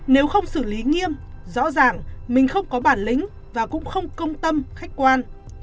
nếu không xử lý nghiêm rõ ràng mình không có bản lĩnh và cũng không công tâm khách quan